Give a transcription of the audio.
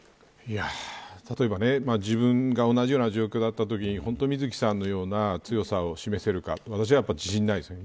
例えば自分が同じような状況だったときにみずきさんのような強さを示せるか私は自信ないですね。